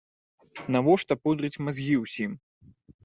Навошта пудрыць мазгі ўсім?